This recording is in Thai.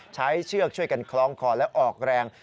เชือกช่วยกันคล้องคอและออกแรง